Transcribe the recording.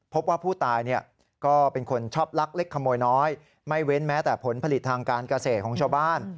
พบว่าผู้ตายก็เป็นคนชอบลักเล็กขโมยน้อยไม่เว้นแม้แต่ผลผลิตทางการเกษตรของชาวบ้าน